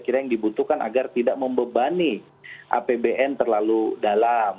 dan juga yang dibutuhkan agar tidak membebani apbn terlalu dalam